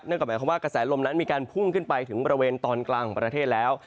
ก็หมายความว่ากระแสลมนั้นมีการพุ่งขึ้นไปถึงบริเวณตอนกลางของประเทศแล้ว